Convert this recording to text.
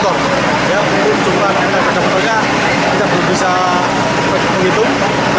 untuk keguguran area sepeda motornya kita bisa menghitung